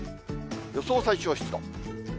予想最小湿度。